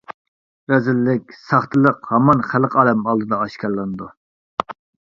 رەزىللىك، ساختىلىق ھامان خەلقىئالەم ئالدىدا ئاشكارىلىنىدۇ.